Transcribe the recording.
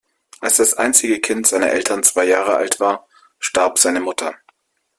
Als das einzige Kind seiner Eltern zwei Jahre alt war, starb seine Mutter.